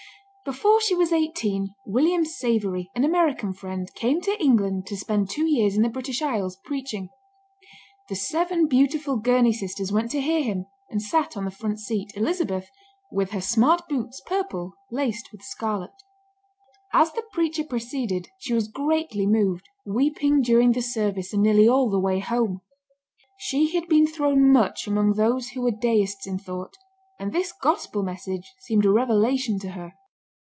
Before she was eighteen, William Savery, an American friend, came to England to spend two years in the British Isles, preaching. The seven beautiful Gurney sisters went to hear him, and sat on the front seat, Elizabeth, "with her smart boots, purple, laced with scarlet." As the preacher proceeded, she was greatly moved, weeping during the service, and nearly all the way home. She had been thrown much among those who were Deists in thought, and this gospel message seemed a revelation to her.